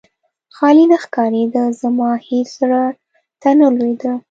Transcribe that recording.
خالي نه ښکارېده، زما هېڅ زړه ته نه لوېده.